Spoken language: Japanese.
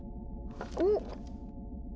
おっ！